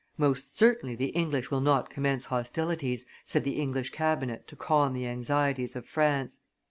"Most certainly the English will not commence hostilities," said the English cabinet to calm the anxieties of France.